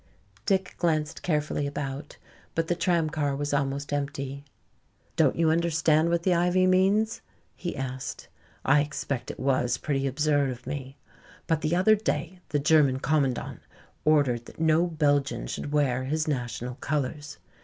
Dick glanced carefully about, but the tram car was almost empty. "Don't you understand what the ivy means?" he asked. "I expect it was pretty absurd of me. But the other day the German commandant ordered that no Belgian should wear his national colors.